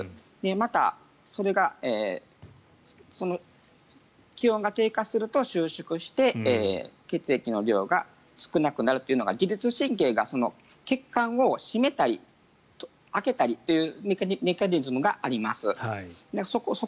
また、気温が低下すると収縮して血液の量が少なくなるというのが自律神経が血管を締めたり開けたりというメカニズムがあります。